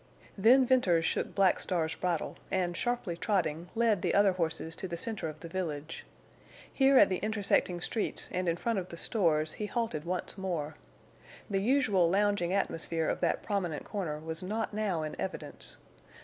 Then Venters shook Black Star's bridle, and, sharply trotting, led the other horses to the center of the village. Here at the intersecting streets and in front of the stores he halted once more. The usual lounging atmosphere of that prominent corner was not now in evidence.